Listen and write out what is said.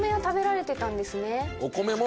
お米も。